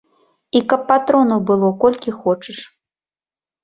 І каб патронаў было колькі хочаш.